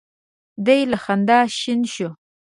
دی له خندا شین شو.